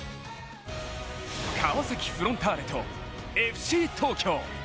川崎フロンターレとＦＣ東京。